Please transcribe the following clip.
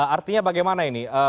artinya bagaimana ini